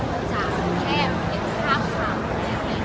ช่องความหล่อของพี่ต้องการอันนี้นะครับ